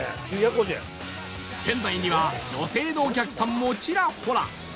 店内には女性のお客さんもちらほら